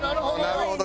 なるほど。